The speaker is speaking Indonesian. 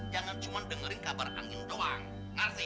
jangan cuma dengerin kabar angin doang